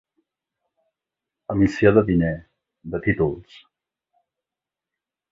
Emissió de diner, de títols.